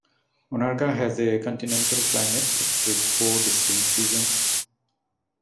Onarga has a continental climate, with four distinct seasons.